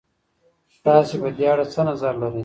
تاسې په دې اړه څه نظر لرئ؟